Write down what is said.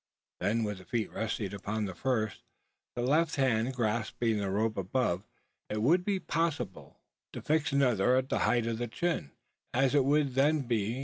Then with the feet resting upon the first, and the left hand grasping the rope above, it would be possible to fix another at the height of the chin, as it would then be.